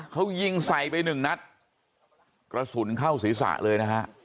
เขายิงใส่ไปหนึ่งนัดกระสุนเข้าศีรษะเลยนะฮะ